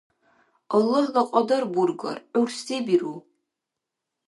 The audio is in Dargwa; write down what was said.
Аллагьла кьадар бургар, гӀур се биру?